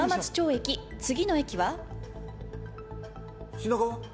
品川？